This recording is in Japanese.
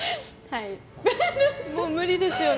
もう無理ですよね。